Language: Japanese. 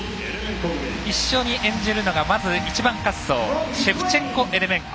一緒に演じるのが、まず１番滑走シェフチェンコ、エレメンコ。